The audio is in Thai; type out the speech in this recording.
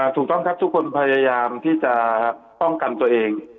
ถูกต้องครับทุกคนพยายามที่จะป้องกันตัวเอง